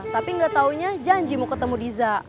tapi nggak taunya janji mau ketemu diza